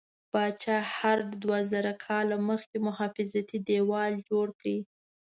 پاچا هرډ دوه زره کاله مخکې محافظتي دیوال جوړ کړ.